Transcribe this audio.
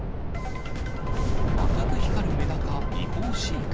赤く光るメダカ、違法飼育。